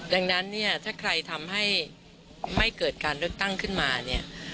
ดังนั้นเนี่ยถ้าใครทำให้ไม่เกิดการเลือกตั้งขึ้นมาเนี่ย